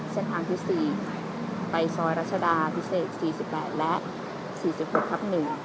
เส้นทางที่๔ไปซอยรัชดาพิเศษ๔๘และ๔๖ทับ๑